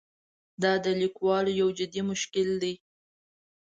دا د لیکوالو یو جدي مشکل دی.